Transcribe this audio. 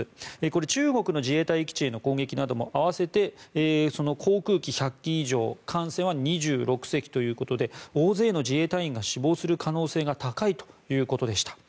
中国の自衛隊基地への攻撃なども合わせて航空機１００機以上艦船は２６隻ということで大勢の自衛隊員が死亡する可能性が高いということでした。